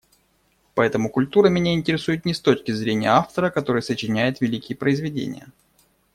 Поэтому культура меня интересует не с точки зрения автора, который сочиняет великие произведения.